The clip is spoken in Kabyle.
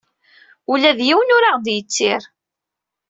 Ula d yiwen ur aɣ-d-yettir.